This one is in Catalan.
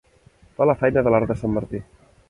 Fa la feina de l'arc de sant Martí.